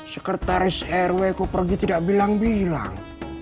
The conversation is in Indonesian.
sekretaris rw kok pergi tidak bilang bilang